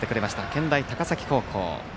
健大高崎高校。